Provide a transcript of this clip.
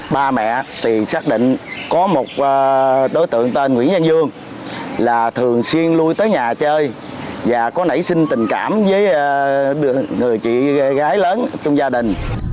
ba mẹ thì xác định có một đối tượng tên nguyễn văn dương là thường xuyên lui tới nhà chơi và có nảy sinh tình cảm với người chị gái lớn trong gia đình